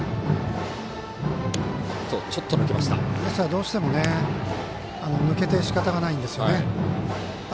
どうしても、抜けてしかたがないんですよね。